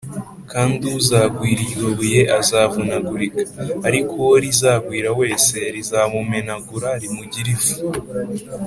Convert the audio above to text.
kandi uzagwira iryo buye azavunagurika, ariko uwo rizagwira wese, rizamumenagura rimugire ifu’